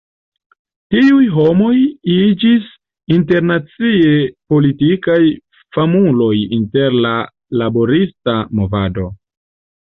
Tiuj homoj iĝis internacie politikaj famuloj inter la laborista movado.